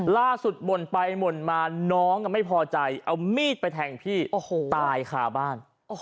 บ่นไปบ่นมาน้องไม่พอใจเอามีดไปแทงพี่ตายคาบ้าน